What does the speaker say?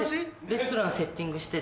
レストランセッティングしてて。